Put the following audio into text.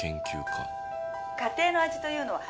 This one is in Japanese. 「家庭の味というのは」